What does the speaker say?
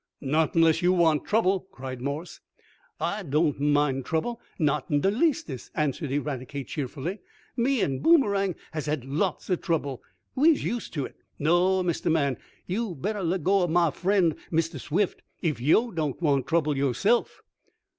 "Not unless you want trouble!" cried Morse. "I doan't mind trouble, not in de leastest," answered Eradicate cheerfully. "Me an' Boomerang has had lots of trouble. We's used to it. No, Mistah Man, you'd better let go ob mah friend, Mistah Swift, if yo' doan't want trouble yo' ownse'f."